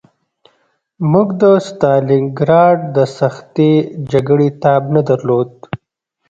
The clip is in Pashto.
موږ د ستالینګراډ د سختې جګړې تاب نه درلود